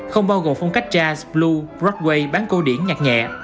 không bao gồm phong cách jazz blues broadway bán cố điển nhạc nhẹ